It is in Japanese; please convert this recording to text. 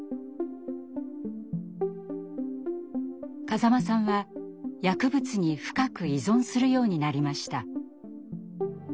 風間さんは薬物に深く依存するようになりました。